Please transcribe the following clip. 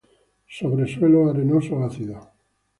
Sobre suelos arenosos ácidos.